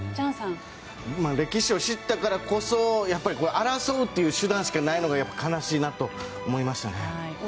歴史を知ったからこそ争うという手段しかないのが悲しいなと思いましたね。